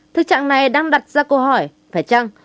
thực trạng này đang đặt ra câu hỏi phải chăng